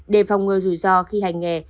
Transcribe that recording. để phòng ngừa rủi ro khi hành nghề